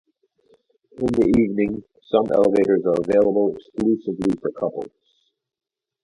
In the evening some elevators are available exclusively for couples.